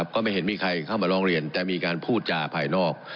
ก็ไม่เห็นมีใครเข้ามาร้องเรียนแต่มีการพูดจาภายนอก